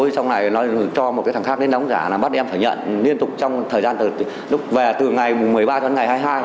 xong này nó cho một cái thằng khác đến đóng giả là bắt em phải nhận liên tục trong thời gian lúc về từ ngày một mươi ba đến ngày hai mươi hai